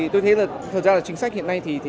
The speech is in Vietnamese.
thật ra là chính sách hiện nay thì